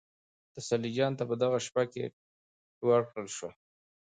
تسلي چا ته په دغه شېبه کې ورکړل شوه؟